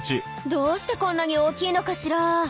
どうしてこんなに大きいのかしら。